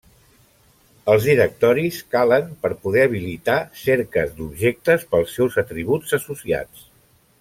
Els directoris calen per poder habilitar cerques d'objectes pels seus atributs associats.